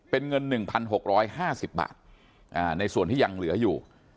เป็นเงิน๑๖๕๐บาทในส่วนที่ยังเหลืออยู่